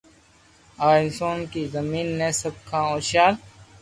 اها انسان کي زمين تي سڀ کان هوشيار